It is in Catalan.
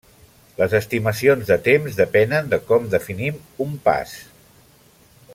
Les estimacions de temps depenen de com definim un pas.